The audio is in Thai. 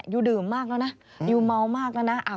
ดื่มมากแล้วนะยูเมามากแล้วนะ